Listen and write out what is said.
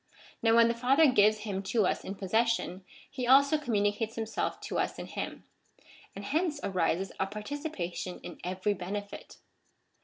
Now when the Father gives him to us in possession, he also communicates himself to us in him ; and hence arises a participation in every benefit.